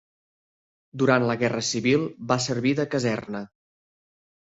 Durant la Guerra Civil va servir de caserna.